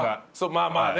まあまあね。